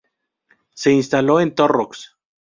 Se instaló en Torrox.